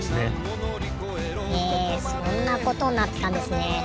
へえそんなことになってたんですね。